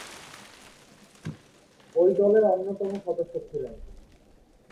ঐ দলের অন্যতম সদস্য ছিলেন তিনি।